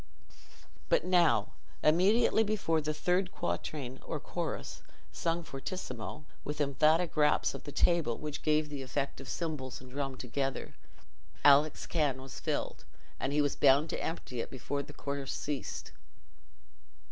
But now, immediately before the third quatrain or chorus, sung fortissimo, with emphatic raps of the table, which gave the effect of cymbals and drum together, Alick's can was filled, and he was bound to empty it before the chorus ceased.